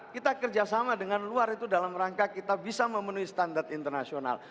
kita kerjasama dengan luar itu dalam rangka kita bisa memenuhi standar internasional